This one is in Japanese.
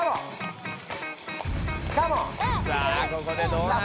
さあここでどうなるか。